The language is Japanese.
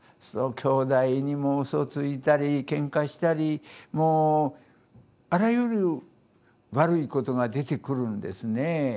すると兄弟にもうそついたりけんかしたりもうあらゆる悪いことが出てくるんですねぇ。